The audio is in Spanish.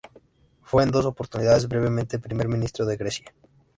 Fue en dos oportunidades brevemente primer ministro de Grecia.